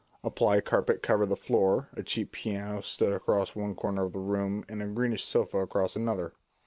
A ply carpet covered the floor, a cheap piano stood across one corner of the room, and a greenish sofa across another.